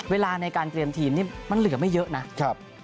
เวลาในการเตรียมทีมนี่มันเหลือไม่เยอะนะ